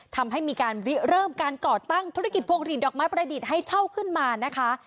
ทำให้มีการเริ่มการก่อตั้งธุรกิจพวงหลีดดอกไม้ประดิษฐ์ให้เช่าขึ้นมานะคะ